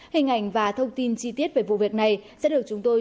hình ảnh và thông tin chi tiết về vụ việc này sẽ được chúng tôi